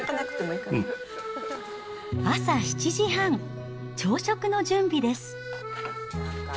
朝７時半、朝食の準備です。